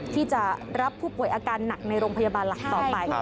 ที่จะรับผู้ป่วยอาการหนักในโรงพยาบาลหลักต่อไป